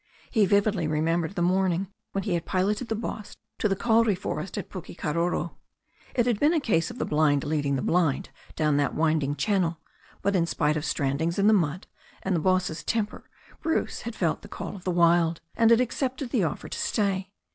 He vividly remembered the morning when he had piloted the boss to the kauri forest at Pukekaroro. It had been a case of the blind leading the blind down that winding chan nel; but, in spite of strandings in the mud and the boss's temper, Bruce had felt the call of the wild, and had accepted the offer to stay.